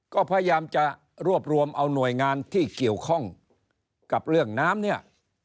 ก็พยายามจะรวบรวมเอาหน่วยงานที่เกี่ยวข้องกับเรื่องน้ำเนี่ย